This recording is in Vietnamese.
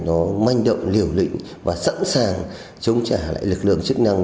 nó manh động liều lĩnh và sẵn sàng chống trả lại lực lượng chức năng